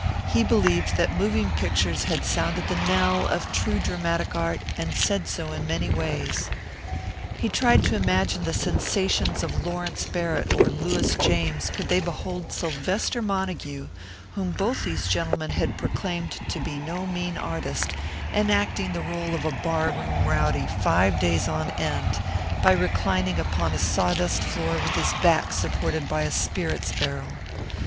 He believed that moving pictures had sounded the knell of true dramatic art and said so in many ways. He tried to imagine the sensations of Lawrence Barrett or Louis James could they behold Sylvester Montague, whom both these gentlemen had proclaimed to be no mean artist, enacting the role of a bar room rowdy five days on end by reclining upon a sawdust floor with his back supported by a spirits barrel.